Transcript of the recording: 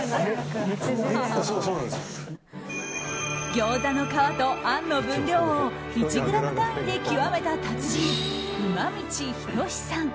餃子の皮とあんの分量を１ｇ単位で極めた達人馬道仁さん。